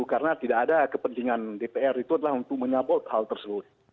karena tidak ada kepentingan dpr itu adalah untuk menyabot hal tersebut